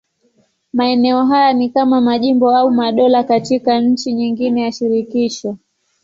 Maeneo haya ni kama majimbo au madola katika nchi nyingine ya shirikisho.